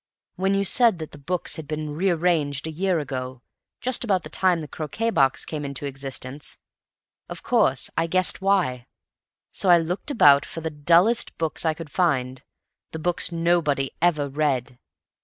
When you said that the books had been re arranged a year ago—just about the time the croquet box came into existence—of course, I guessed why. So I looked about for the dullest books I could find, the books nobody ever read.